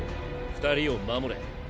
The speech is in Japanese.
二人を守れ。